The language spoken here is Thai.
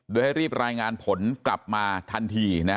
โดยให้รีบรายงานผลกลับมาทันที